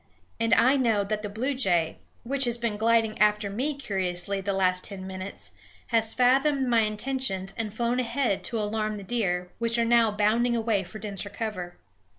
And I know that the bluejay, which has been gliding after me curiously the last ten minutes, has fathomed my intentions and flown ahead to alarm the deer, which are now bounding away for denser cover.